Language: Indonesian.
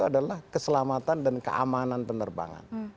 adalah keselamatan dan keamanan penerbangan